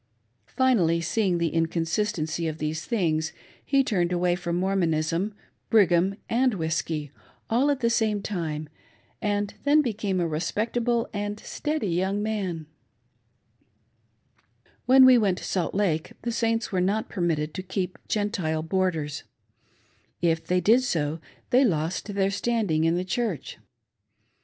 Finally, seeing the inconsistency of these things, he turned away from Mormonism, Brigham, and whiskey, all at the same time, and then became a respectable and steady young man. THE prophet's DRY GOODS STORE ! 505 When we went to Salt Lake, the Saints were not permitted to keep Gentile boarders. If they did so they lost their stand ing in the Church.